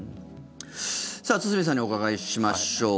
さあ、堤さんにお伺いしましょう。